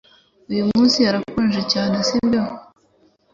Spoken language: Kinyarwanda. Uyu munsi harakonje cyane sibyo